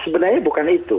sebenarnya bukan itu